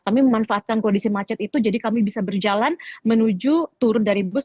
kami memanfaatkan kondisi macet itu jadi kami bisa berjalan menuju turun dari bus